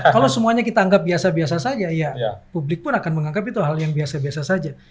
kalau semuanya kita anggap biasa biasa saja ya publik pun akan menganggap itu hal yang biasa biasa saja